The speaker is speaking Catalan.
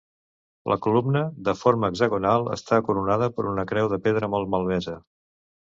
La columna, de forma hexagonal, està coronada per una creu de pedra molt malmesa.